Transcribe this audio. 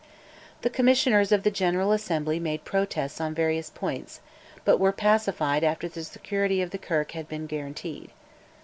The Commissioners of the General Assembly made protests on various points, but were pacified after the security of the Kirk had been guaranteed.